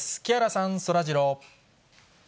木原さん、そらジロー。